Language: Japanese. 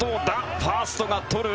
ファーストがとる。